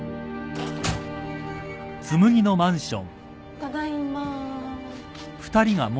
ただいま。